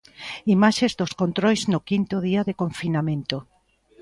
Imaxes dos controis no quinto día de confinamento.